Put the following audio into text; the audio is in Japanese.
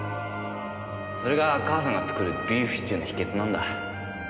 それが母さんが作るビーフシチューの秘訣なんだ。